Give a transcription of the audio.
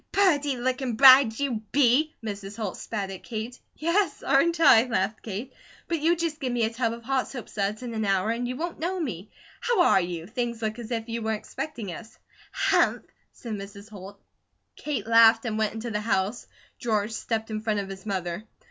"Purty lookin' bride you be!" Mrs. Holt spat at Kate. "Yes, aren't I?" laughed Kate. "But you just give me a tub of hot soapsuds and an hour, and you won't know me. How are you? Things look as if you were expecting us." "Hump!" said Mrs. Holt. Kate laughed and went into the house. George stepped in front of his mother.